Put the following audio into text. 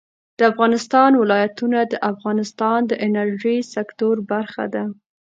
د افغانستان ولايتونه د افغانستان د انرژۍ سکتور برخه ده.